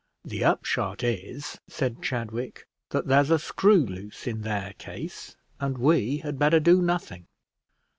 "The upshot is," said Chadwick, "that there's a screw loose in their case, and we had better do nothing.